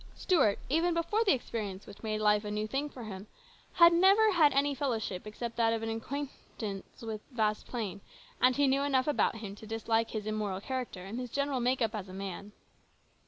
Stuart, even before the experience which made life a new thing for him, never had any fellow ship except that of an acquaintance with Vasplaine, and he knew enough about him to dislike his immoral character and his general make up as a man.